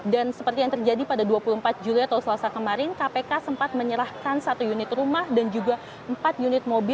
dan seperti yang terjadi pada dua puluh empat juli atau selasa kemarin kpk sempat menyerahkan satu unit rumah dan juga empat unit mobil